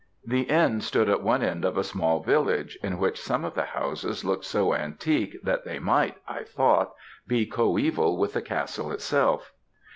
The inn stood at one end of a small village, in which some of the houses looked so antique that they might, I thought, be coeval with the castle itself.